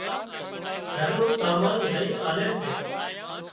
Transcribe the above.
گھر نُون سامان لئي آلي سي